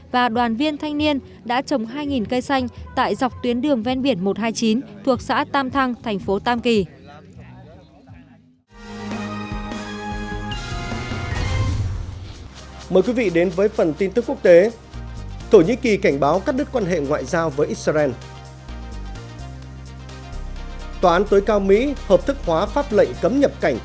và đoàn viên thanh niên đã trồng hai cây xanh tại dọc tuyến đường ven biển một trăm hai mươi chín thuộc xã tam thăng thành phố tam kỳ